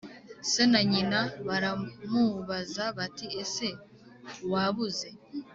se na nyina baramubaza bati ese wabuze